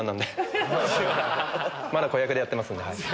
まだ子役でやってますんで。